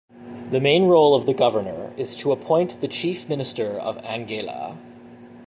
The main role of the Governor is to appoint the Chief Minister of Anguilla.